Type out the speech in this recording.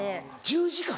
１０時間。